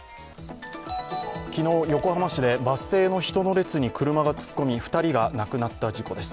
昨日、横浜市でバス停の人の列に車が突っ込み２人が亡くなった事故です。